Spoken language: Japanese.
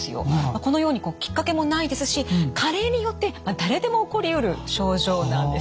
このようにきっかけもないですし加齢によって誰でも起こりうる症状なんです。